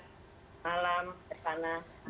selamat malam rizana